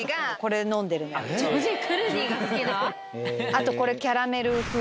あとこれ。